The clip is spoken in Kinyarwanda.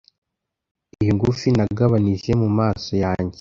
Iyo ngufi nagabanije mu maso yanjye